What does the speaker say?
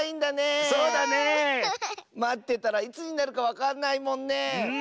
まってたらいつになるかわかんないもんねえ。